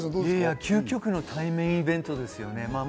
究極の対面イベントですよね。